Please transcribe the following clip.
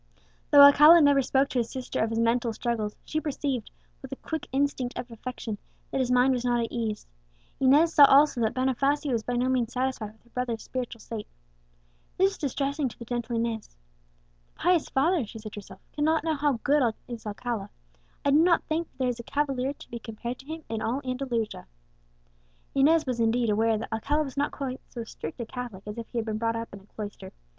Though Alcala never spoke to his sister of his mental struggles, she perceived, with the quick instinct of affection, that his mind was not at ease. Inez saw also that Bonifacio was by no means satisfied with her brother's spiritual state. This was distressing to the gentle Inez. "The pious father," she said to herself, "cannot know how good is Alcala; I do not think that there is a cavalier to be compared to him in all Andalusia." Inez was, indeed, aware that Alcala was not quite so strict a Catholic as if he had been brought up in a cloister.